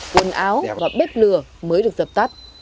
quần áo và bếp lửa mới được dập tắt